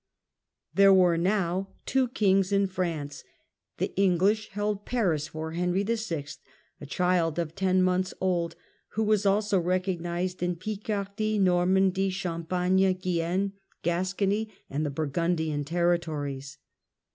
There were now two Kings in France. The English Two Kings held Paris for Henry VI., a child of ten months old, who was also recognised in Picardy, Normandy, Champagne, Guienne, Gascony and the Burgundian territories.